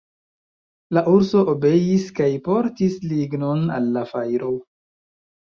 La urso obeis kaj portis lignon al la fajro.